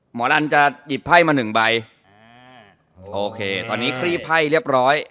หมอลันจะหยิบไพ่มาหนึ่งใบอ่าโอเคตอนนี้ครีบไพ่เรียบร้อย